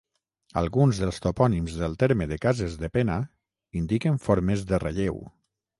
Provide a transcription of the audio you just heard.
Alguns dels topònims del terme de Cases de Pena indiquen formes de relleu.